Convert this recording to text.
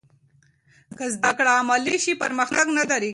که زده کړه عملي شي، پرمختګ نه درېږي.